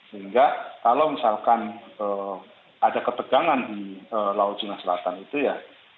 sehingga kalau misalkan ada ketegangan di laut cina selatan itu ya